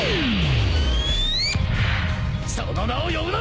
その名を呼ぶな！